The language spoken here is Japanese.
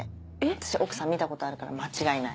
私奥さん見たことあるから間違いない。